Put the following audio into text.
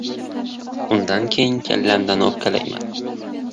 Undan keyin... kallamdan o‘pkalayman!